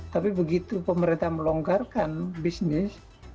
tapi begitu pemerintah melonggarkan bisnis